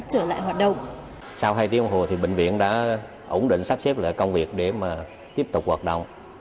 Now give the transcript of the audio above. sau hai giờ đồng hồ bệnh viện đã ổn định sắp xếp lại công việc để tiếp tục hoạt động